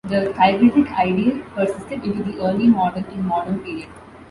The chivalric ideal persisted into the early modern and modern period.